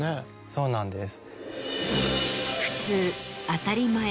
そうなんです。